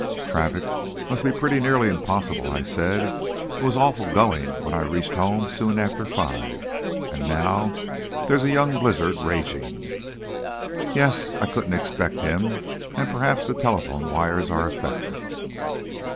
"Traffic must be pretty nearly impossible," I said, "it was awful going when I reached home soon after five, and now, there's a young blizzard raging." "Yes, I couldn't expect him; and perhaps the telephone wires are affected."